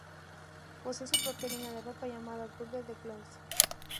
Posee su propia línea de ropa llamada "Butter the Clothes".